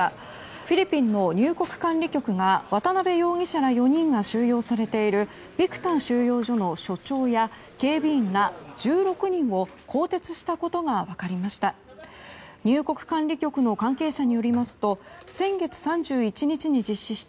フィリピンの入国管理局が渡邉優樹容疑者ら４人が収容されているビクタン収容所の所長や警備員ら、１６人を更迭したことが分かりました。